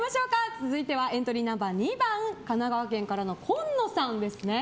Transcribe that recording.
続いてはエントリーナンバー２番神奈川県からの今野さんですね。